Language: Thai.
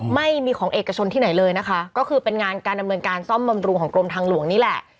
ไม่มีของเอกชนที่ไหนเลยนะคะก็คือเป็นงานการดำเนินการซ่อมบำรุงของกรมทางหลวงนี่แหละ